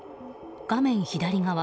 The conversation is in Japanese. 画面左側